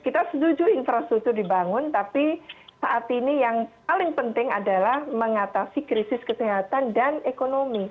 kita setuju infrastruktur dibangun tapi saat ini yang paling penting adalah mengatasi krisis kesehatan dan ekonomi